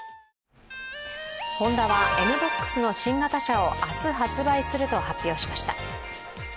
ホンダはＮ−ＢＯＸの新型車を明日発売すると発表しました。